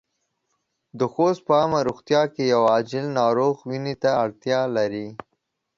د خوست په عامه روغتون کې يو عاجل ناروغ وينې ته اړتیا لري.